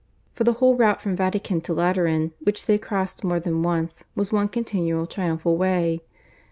For the whole route from Vatican to Lateran, which they crossed more than once, was one continual triumphal way.